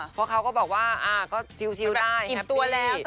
เพราะเขาก็บอกว่าอ่าก็ชิลได้แฮปปี้